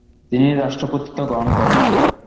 তিনি রাষ্ট্রপতিত্ব গ্রহণ করেন।